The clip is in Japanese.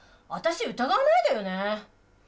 私疑わないでよね！